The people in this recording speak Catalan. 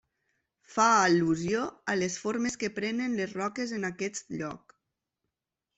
Fa al·lusió a les formes que prenen les roques en aquest lloc.